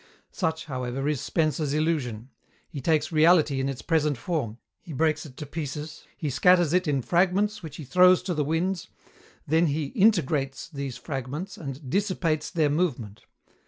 Such, however, is Spencer's illusion. He takes reality in its present form; he breaks it to pieces, he scatters it in fragments which he throws to the winds; then he "integrates" these fragments and "dissipates their movement."